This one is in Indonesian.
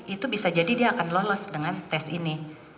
itu bisa jadi dia akan lolos dengan tes ini